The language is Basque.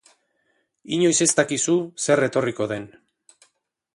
Inoiz ez dakizu zer etorriko den.